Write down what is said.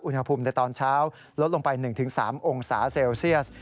อุณหภูมิในตอนเช้าลดลงไป๑๓องศาเซลเซียส